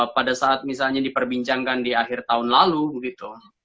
pada saat misalnya diperbincangkan di akhir tahun lalu gitu